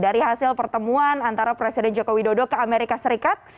dari hasil pertemuan antara presiden joko widodo ke amerika serikat